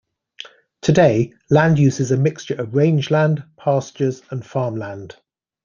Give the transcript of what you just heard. Today, land use is a mixture of rangeland, pastures, and farmland.